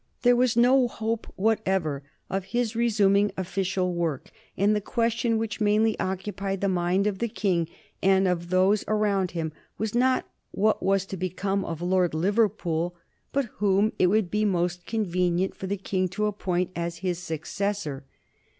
There was no hope whatever of his resuming official work, and the question which mainly occupied the mind of the King and of those around him was not what was to become of Lord Liverpool, but whom it would be most convenient for the King to appoint as his successor.